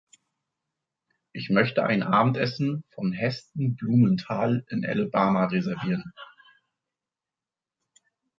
Ich möchte ein Abendessen von Heston Blumenthal in Alabama reservieren.